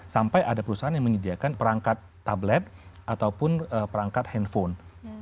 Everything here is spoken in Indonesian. sampai ada perusahaan yang menyediakan perangkat tablet ataupun perangkat handphone